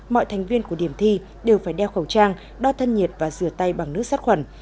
mọi thành viên của điểm thi đều phải đeo khẩu trang đo thân nhiệt và rửa tay bằng nước sát khuẩn